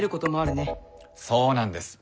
そうなんです。